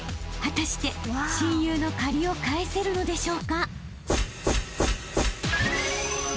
［果たして親友の借りを返せるのでしょうか］